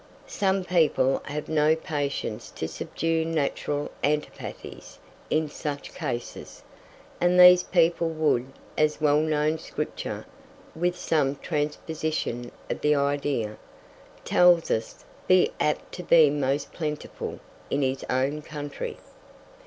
Some people have no patience to subdue natural antipathies in such cases, and these people would, as well known scripture (with some transposition of the idea) tells us, be apt to be most plentiful "in his own country."